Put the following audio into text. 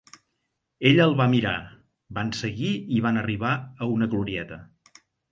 Ella el va mirar: van seguir, i van arribar a una glorieta